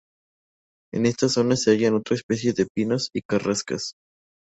En estas zonas se hallan otras especies de pinos y carrascas.